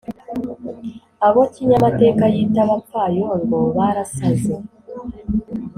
abo kinyamateka yita abapfayongo barasaze